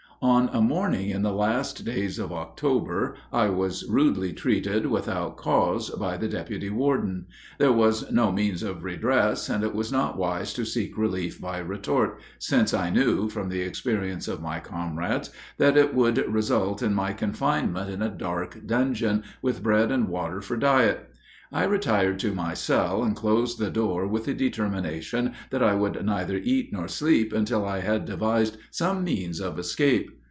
On a morning in the last days of October I was rudely treated, without cause, by the deputy warden. There was no means of redress, and it was not wise to seek relief by retort, since I knew, from the experience of my comrades, that it would result in my confinement in a dark dungeon, with bread and water for diet. I retired to my cell, and closed the door with the determination that I would neither eat nor sleep until I had devised some means of escape.